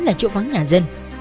là chỗ vắng nhà dân